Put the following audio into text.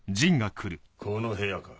この部屋か。